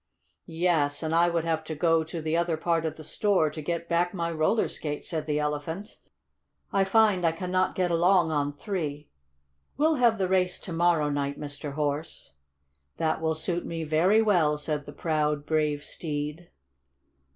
"Yes, and I would have to go to the other part of the store to get back my roller skate," said the Elephant. "I find I cannot get along on three. We'll have the race to morrow night, Mr. Horse." "That will suit me very well," said the proud, brave steed.